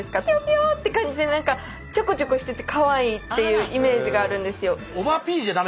ピヨピヨって感じで何かちょこちょこしててかわいいっていうイメージがあるんですよ。